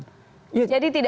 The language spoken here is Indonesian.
jadi tidak berdemokrasi juga